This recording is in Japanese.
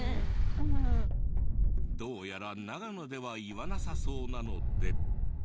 どうやら長野では言わなさそうなので。